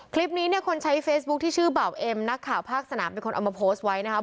คลิปนี้เนี่ยคนใช้เฟซบุ๊คที่ชื่อเบาเอ็มนักข่าวภาคสนามเป็นคนเอามาโพสต์ไว้นะครับ